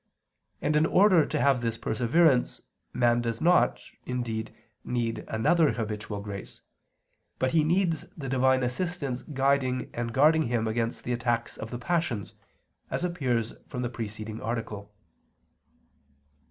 And in order to have this perseverance man does not, indeed, need another habitual grace, but he needs the Divine assistance guiding and guarding him against the attacks of the passions, as appears from the preceding article.